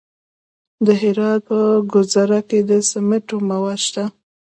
د هرات په ګذره کې د سمنټو مواد شته.